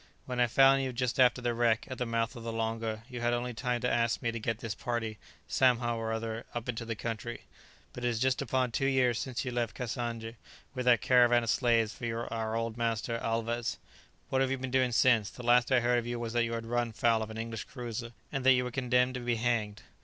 When I found you just after the wreck, at the mouth of the Longa, you had only time to ask me to get this party, somehow or other, up into the country. But it is just upon two years since you left Cassange with that caravan of slaves for our old master Alvez. What have you been doing since? The last I heard of you was that you had run foul of an English cruiser, and that you were condemned to be hanged."